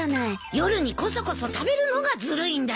夜にこそこそ食べるのがずるいんだよ。